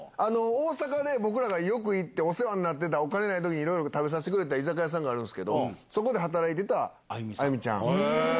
大阪で僕らがよく行って、お世話になってた、お金ないときにいろいろ食べさせてくれた居酒屋さんがあるんですけど、そこで働いてた、あゆみちゃん。